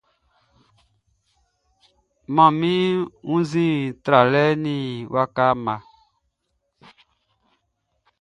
Manmi wunnzin tralɛ eni waka mma.